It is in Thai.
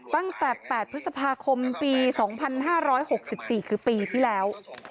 ตั้งแต่๘พฤษภาคมปี๒๕๖๔คือปีที่แล้ว